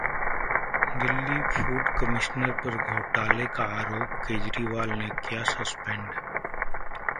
Delhi: food commissioner पर घोटाले का आरोप, केजरीवाल ने किया सस्पेंड